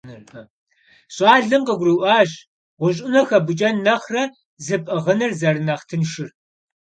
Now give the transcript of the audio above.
ЩӀалэм къыгурыӀуащ гъущӀ Ӏунэ хэбукӀэн нэхърэ зыпӀыгъыныр зэрынэхъ тыншыр.